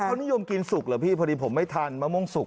เขานิยมกินสุกเหรอพี่พอดีผมไม่ทานมะม่วงสุก